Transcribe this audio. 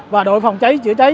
và đội phòng cháy chữa cháy